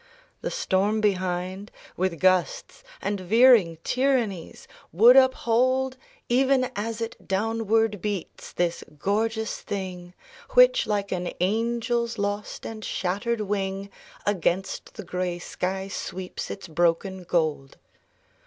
The storm behind With gusts and veering tyrannies would uphold Even as it downward beats this gorgeous thing Which like an angel's lost and shattered wing Against the grey sky sweeps its broken gold.